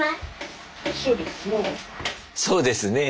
「そうですねえ」。